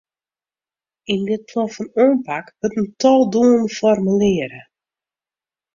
Yn dit plan fan oanpak wurdt in tal doelen formulearre.